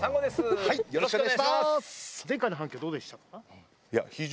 はい。